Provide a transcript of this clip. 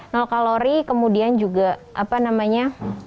nol kalori kemudian juga apa namanya